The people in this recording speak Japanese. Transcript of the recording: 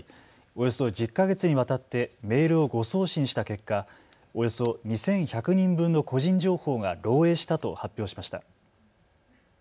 およそ１０か月にわたってメールを誤送信した結果、およそ２１００人分の個人情報が漏えいしたと発表しました。